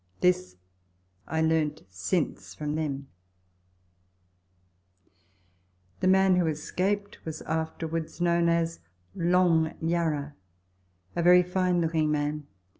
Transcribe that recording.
This I learnt since from themselves. The man who escaped was afterwards known as " Long Yarra" a very fine looking man.